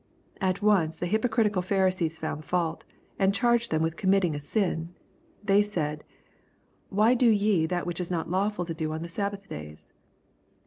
'* At once the hypocritical Phari sees found fault, and charged them with committing a sin. They said, " Why do ye that which is not lawful to do on the Sabbath days